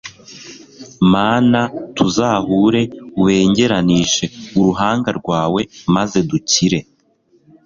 mana, tuzahure, ubengeranishe uruhanga rwawe, maze dukire